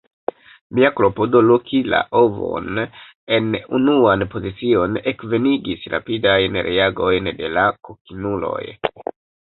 Mia klopodo loki la ovon en unuan pozicion ekvenigis rapidajn reagojn de la kokinuloj.